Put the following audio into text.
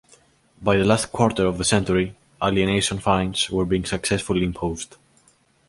By the last quarter of the century alienation fines were being successfully imposed.